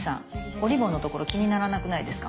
おリボンのところ気にならなくないですか？